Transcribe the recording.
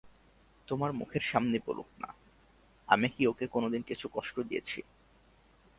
তোমার মুখের সামনেই বলুক-না, আমি কি ওকে কোনোদিন কিছু কষ্ট দিয়েছি।